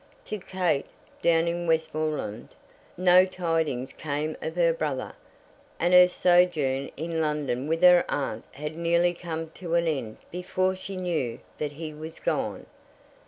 To Kate, down in Westmoreland, no tidings came of her brother, and her sojourn in London with her aunt had nearly come to an end before she knew that he was gone.